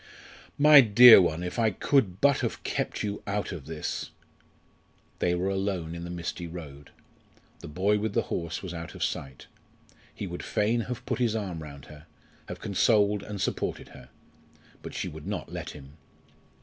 "My dear one, if I could but have kept you out of this!" They were alone in the misty road. The boy with the horse was out of sight. He would fain have put his arm round her, have consoled and supported her. But she would not let him.